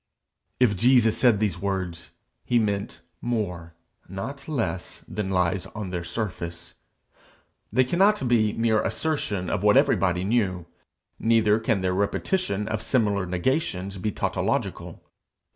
If Jesus said these words, he meant more, not less, than lies on their surface. They cannot be mere assertion of what everybody knew; neither can their repetition of similar negations be tautological.